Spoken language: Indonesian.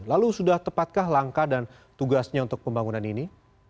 lalu sudah tepatkah langkah dan tugasnya untuk pembangunan ini